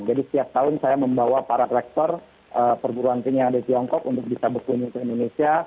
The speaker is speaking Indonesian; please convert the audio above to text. jadi setiap tahun saya membawa para rektor perjuruan tinggi yang ada di tiongkok untuk bisa berkunjung ke indonesia